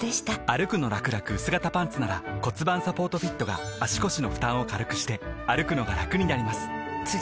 「歩くのらくらくうす型パンツ」なら盤サポートフィットが足腰の負担を軽くしてくのがラクになります覆个△